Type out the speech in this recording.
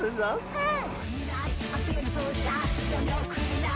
うん